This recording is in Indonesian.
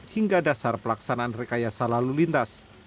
hingga dasar pelaksanaan rekayasa lalu lintas